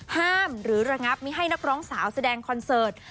หรือระงับไม่ให้นักร้องสาวแสดงคอนเสิร์ต